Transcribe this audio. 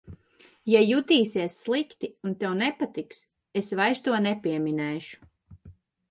Ja jutīsies slikti un tev nepatiks, es vairs to nepieminēšu.